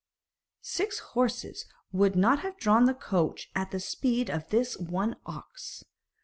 Six horses would not have drawn the coach at the speed of this one ox.